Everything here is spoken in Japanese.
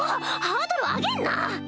ハードル上げんな！